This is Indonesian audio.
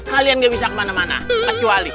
kalian gak bisa kemana mana kecuali